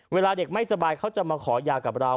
เวลาเด็กไม่สบายเขาจะมาขอยากับเรา